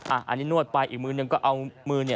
อันนี้นวดไปอีกมือหนึ่งก็เอามือเนี่ย